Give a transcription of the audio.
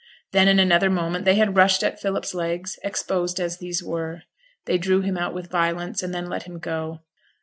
Then in another moment they had rushed at Philip's legs, exposed as these were. They drew him out with violence, and then let him go.